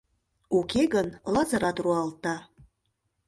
Уке гын, Лазырат руалта.